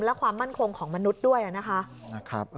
และความมั่นคงของมนุษย์ด้วยนะคะ